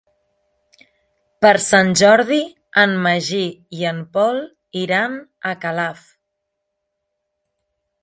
Per Sant Jordi en Magí i en Pol iran a Calaf.